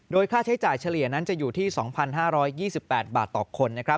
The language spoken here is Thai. ค่าใช้จ่ายเฉลี่ยนั้นจะอยู่ที่๒๕๒๘บาทต่อคน